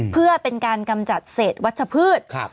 เพื่อเป็นการกำจัดเศษวัชพืช